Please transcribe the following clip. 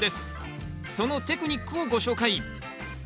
そのテクニックをご紹介。